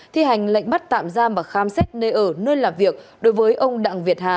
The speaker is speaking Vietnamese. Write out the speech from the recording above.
thi hành lệnh bắt giam và khám xét nơi ở nơi làm việc đối với ông đặng việt hạ